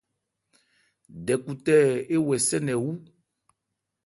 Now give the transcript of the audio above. Dɛkhutɛ éwɛsɛ́ nkɛ wú.